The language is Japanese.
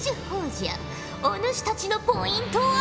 お主たちのポイントは。